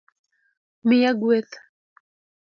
miya gweth